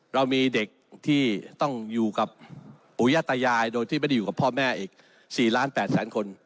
เรามีเด็กที่ต้องอยู่กับปู่ย่าตายายโดยที่ไม่ได้อยู่กับพ่อแม่อีก๔ล้าน๘แสนคน